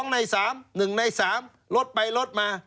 ใน๓๑ใน๓ลดไปลดมา